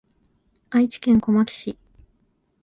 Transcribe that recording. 愛知県小牧市